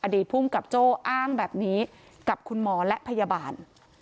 ภูมิกับโจ้อ้างแบบนี้กับคุณหมอและพยาบาล